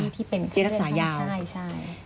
ที่รักษายาวใช่